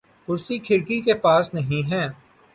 کرسی کھڑکی کے پاس نہیں ہے